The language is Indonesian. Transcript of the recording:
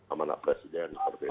amanah presiden seperti itu